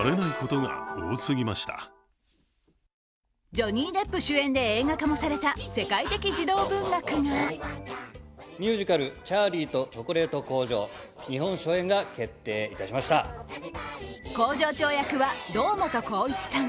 ジョニー・デップ主演で映画化もされた世界的児童文学が工場長役は堂本光一さん。